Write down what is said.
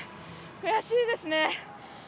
悔しいですね。